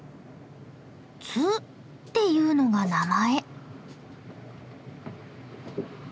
つっていうのが名前。